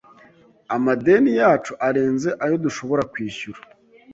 Amadeni yacu arenze ayo dushobora kwishyura.